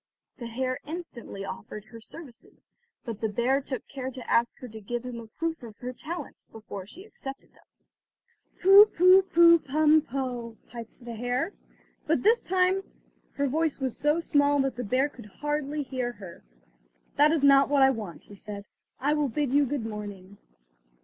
The hare instantly offered her services, but the bear took care to ask her to give him a proof of her talents, before he accepted them. "Pu, pu, pu, pum, poh," piped the hare; but this time her voice was so small that the bear could hardly hear her. "That is not what I want," he said, "I will bid you good morning."